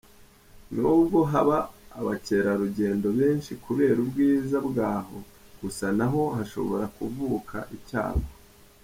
Nubwo haba abakerarugendo benshi kubera ubwiza bwaho gusa naho hashobora kuvuka icyago.